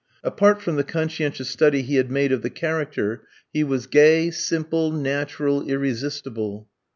Apart from the conscientious study he had made of the character, he was gay, simple, natural, irresistible.